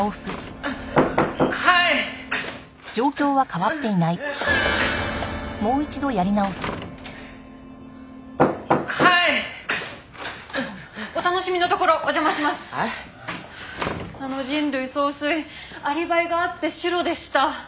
あの人類総帥アリバイがあってシロでした。